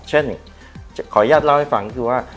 ขออนุญาตเล่าให้ฟังคือว่า